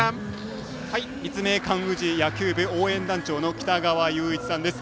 立命館宇治野球部応援団長のきたがわゆういちさんです。